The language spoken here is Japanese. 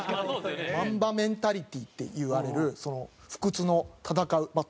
マンバメンタリティっていわれる不屈の戦うまあ